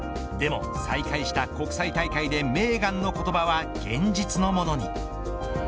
でも再開した国際大会でメーガンの言葉は現実のものに。